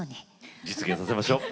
実現させましょう。